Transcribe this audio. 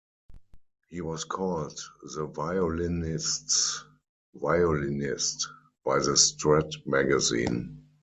He was called "The Violinists' Violinist" by the Strad Magazine.